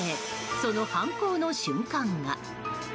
その犯行の瞬間が。